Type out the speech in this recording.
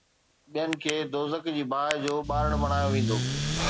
ٻين کي دوزخ جي باهه جو ٻارڻ بڻايو ويندو